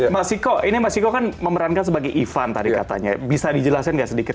mas ciko ini mas ciko kan memerankan sebagai ivan tadi katanya bisa dijelasin nggak sedikit